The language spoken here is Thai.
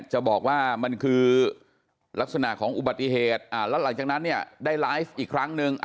จะบอกว่ามันคือลักษณะของอุบัติเหตุแล้วหลังจากนั้นเนี่ยได้ไลฟ์อีกครั้งนึง